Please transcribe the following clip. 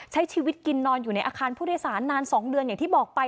ใช้ชีวิตกินนอนอยู่ในอาคารผู้โดยสารนาน๒เดือนอย่างที่บอกไป